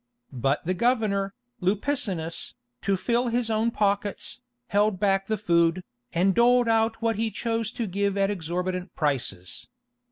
But the governor, Lupicinus, to fill his own pockets, held back the food, and doled out what he chose to give at exorbitant prices.